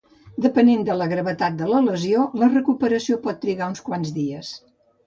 Depenent de la gravetat de la lesió, la recuperació pot trigar uns quants dies.